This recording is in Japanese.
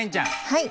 はい。